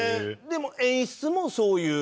でもう演出もそういう？